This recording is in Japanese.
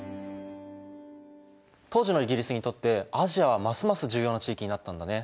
当時のイギリスにとってアジアはますます重要な地域になったんだね。